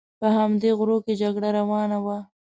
په همدې غرو کې جګړه روانه وه.